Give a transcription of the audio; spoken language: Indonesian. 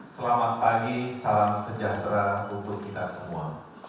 selamat pagi salam sejahtera untuk kita semua